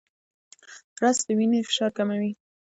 رس د وینې فشار کموي